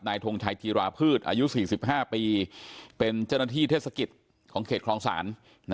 ทงชัยจีราพืชอายุ๔๕ปีเป็นเจ้าหน้าที่เทศกิจของเขตคลองศาล